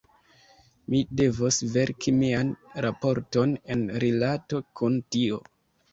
Mi devos verki mian raporton en rilato kun tio.